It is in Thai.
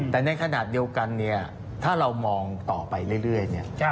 แต่ในขณะเดียวกันเนี่ยถ้าเรามองต่อไปเรื่อยเนี่ย